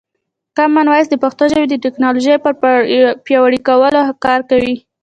کامن وایس د پښتو ژبې د ټکنالوژۍ پر پیاوړي کولو کار کوي.